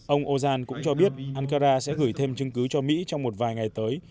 ông ozan cũng cho biết ankara sẽ gửi thêm chứng cứ cho mỹ trong một vài ngày tới